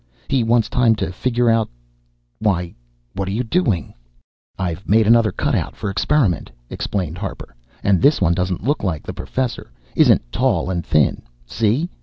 He wants time to figure out why, what are you doing?" "I've made another cutout for experiment," explained Harper. "And this one doesn't look like the Professor, isn't tall and thin. See